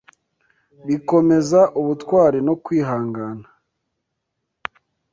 bikomeza ubutwari no kwihangana